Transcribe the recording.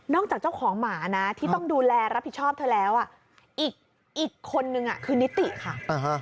นอกจากเจ้าของหมานะที่ต้องดูแลรับผิดชอบเธอแล้วอ่ะอีกคนหนึ่งอ่ะคือนิติค่ะอ่าฮะ